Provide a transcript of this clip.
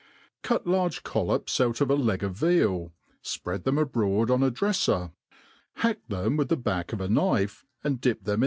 CUT large collops out of a leg of veal, fpread them abroad on a drefler, hack them with the back of a knife, and dip them in.